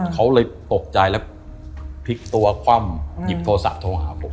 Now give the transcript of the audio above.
เขาเลยตกใจแล้วพลิกตัวคว่ำหยิบโทรศัพท์โทรหาผม